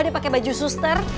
dia pakai baju suster